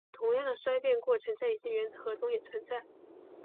同样的衰变过程在一些原子核中也存在。